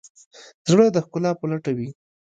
زړه د ښکلا په لټه وي.